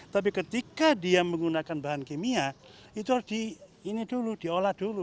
tapi ketika dia menggunakan bahan kimia itu harus di ini dulu diolah dulu